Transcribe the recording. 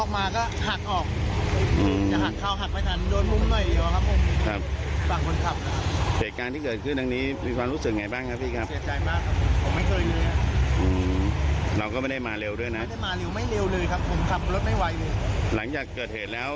ไม่ได้มาเร็วไม่เร็วเลยครับผมขับรถไม่ไวหลังจากเกิดเหตุแล้ว